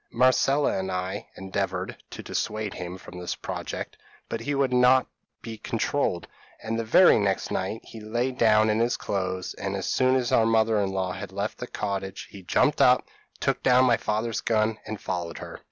Marcella and I endeavoured to dissuade him from this project; but he would not be controlled; and the very next night he lay down in his clothes, and as soon as our mother in law had left the cottage he jumped up, took down my father's gun, and followed her.